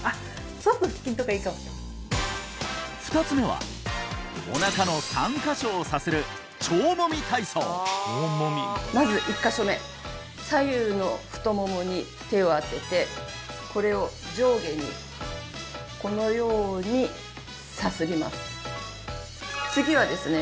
そうすると腹筋とかいいかもしれない２つ目はおなかの３カ所をさするまず１カ所目左右の太ももに手を当ててこれを上下にこのようにさすります次はですね